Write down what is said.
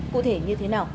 cụ thể như thế nào